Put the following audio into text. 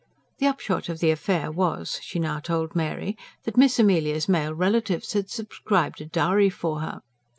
The upshot of the affair was, she now told Mary, that Miss Amelia's male relatives had subscribed a dowry for her.